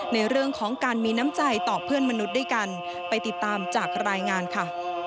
ในเรื่องของการมีน้ำใจต่อเพื่อนมนุษย์ด้วยกันไปติดตามจากรายงานค่ะ